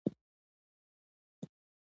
د ویښتانو ږمنځول د غوړو وېښتانو لپاره مهم دي.